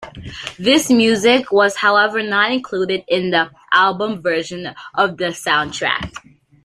This music was however not included in the album-version of the soundtrack.